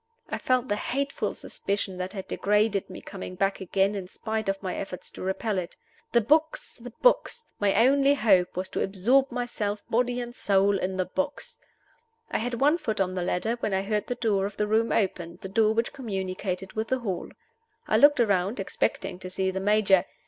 I felt the hateful suspicion that had degraded me coming back again in spite of my efforts to repel it. The books! the books! my only hope was to absorb myself, body and soul, in the books. I had one foot on the ladder, when I heard the door of the room open the door which communicated with the hall. I looked around, expecting to see the Major.